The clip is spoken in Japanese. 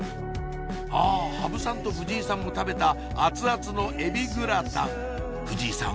あぁ羽生さんと藤井さんも食べた熱々のエビグラタン藤井さん